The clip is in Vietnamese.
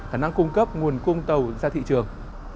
phần cung tàu ra thị trường